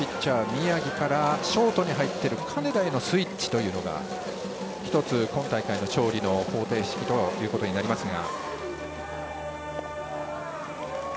宮城からショートに入っている金田へのスイッチというのが１つ、今大会の勝利の方程式となりますが。